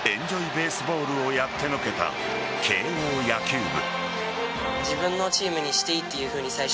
・ベースボールをやってのけた慶応野球部。